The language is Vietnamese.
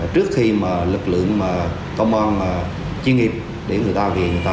điểm lực lượng công an chuyên nghiệp để người ta có chữa cháy